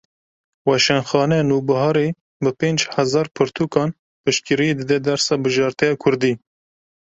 Weşanxaneya Nûbiharê bi pênc hezar pirtûkan piştgiriyê dide dersa bijarte ya kurdî.